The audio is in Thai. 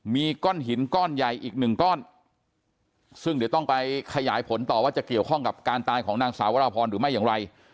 มีก้อนหินก้อนใหญ่อีกหนึ่งก้อนซึ่งเดี๋ยวต้องไปขยายผลต่อว่าจะเกี่ยวข้องกับการตายของนางสาววรพรหรือไม่อย่างไร